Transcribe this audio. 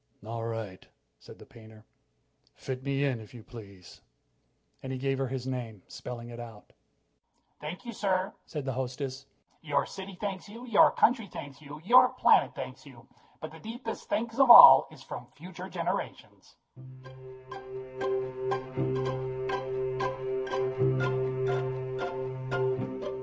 "All right," said the painter, "fit me in, if you please." And he gave her his name, spelling it out. "Thank you, sir," said the hostess. "Your city thanks you; your country thanks you; your planet thanks you. But the deepest thanks of all is from future generations."